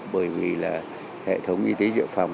bởi vì là hệ thống y tế dự phòng